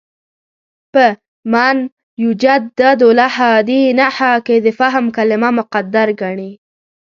په «مَن یُجَدِّدُ لَهَا دِینَهَا» کې د «فهم» کلمه مقدر ګڼي.